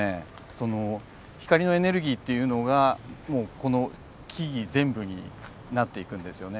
その光のエネルギーっていうのがもうこの木々全部になっていくんですよね。